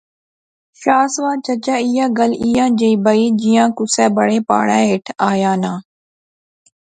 شاہ سوار چچا ایہہ گل ایہھاں جئے بائی جیاں کُسے بڑے پہارے ہیٹھ آیا ناں